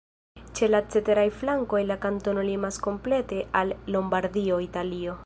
Ĉe la ceteraj flankoj la kantono limas komplete al Lombardio, Italio.